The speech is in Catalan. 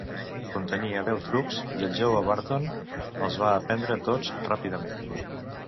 Contenia deu trucs, i el jove Burton els va aprendre tots ràpidament.